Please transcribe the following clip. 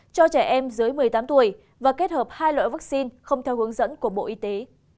cho trẻ em dưới một mươi tám tuổi và kết hợp hai loại vaccine không theo hướng dẫn của bộ y tế